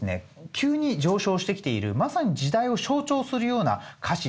急に上昇してきているまさに時代を象徴するような歌詞っていうのがあるんですね。